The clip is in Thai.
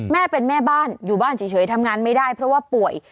แม่เป็นแม่บ้านอยู่บ้านเฉยทำงานไม่ได้เพราะว่าป่วย